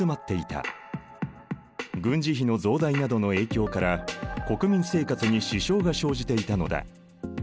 軍事費の増大などの影響から国民生活に支障が生じていたのだ。